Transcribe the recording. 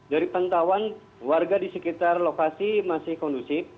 dari pantauan warga di sekitar lokasi masih kondusif